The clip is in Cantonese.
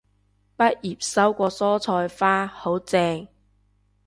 畢業收過蔬菜花，好正